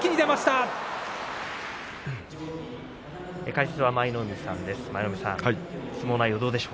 解説は舞の海さんです。